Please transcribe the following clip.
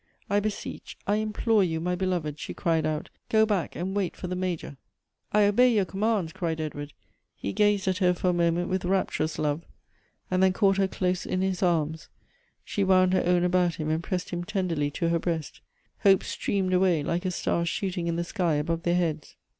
" I beseech, I implore you, my beloved," she cried out; "go back and wait for the Major." " I obey your commands," cried Edward. He gazed at her for a moment with rapturous love, and then caught Elective Affinities. 279 her close in his arms. She wound her own about him, and pressed him tenderly to her breast. Hope streamed away, like a star shooting in the sky, above their heads.